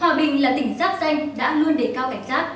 hòa bình là tỉnh giáp danh đã luôn đề cao cảnh giác